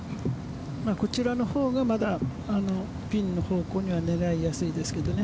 こちらの方がまだピンの方向には狙いやすいですけどね。